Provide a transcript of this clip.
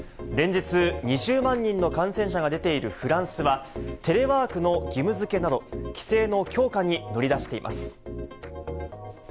連日、２０万人の感染者が出ているフランスは、テレワークの義務づけなど、規制の強化に乗り出しています。